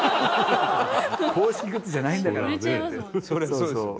そうそう。